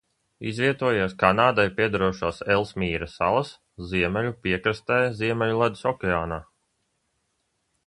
Izvietojies Kanādai piederošās Elsmīra salas ziemeļu piekrastē Ziemeļu Ledus okeānā.